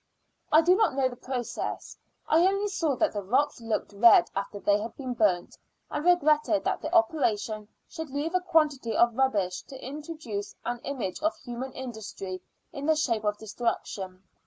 I do not know the process. I only saw that the rocks looked red after they had been burnt, and regretted that the operation should leave a quantity of rubbish to introduce an image of human industry in the shape of destruction.